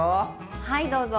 はいどうぞ！